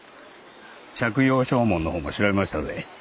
借用証文の方も調べましたぜ。